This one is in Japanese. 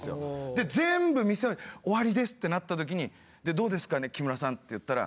で全部見せ「終わりです」ってなった時に「どうですかね？木村さん」って言ったら。